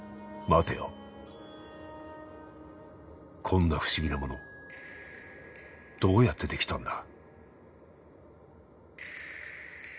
こんな不思議なものどうやって出来たんだ？